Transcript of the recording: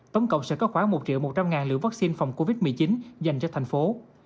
tổng cộng sẽ có khoảng một triệu một trăm linh liều vaccine phòng covid một mươi chín dành cho thành phố